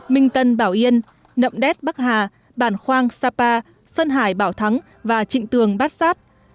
minh tân bảo yên nậm đét bắc hà bản khoang sapa sơn hải bảo thắng và trịnh tường bát sát